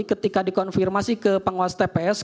ketika dikonfirmasi ke pengawas tps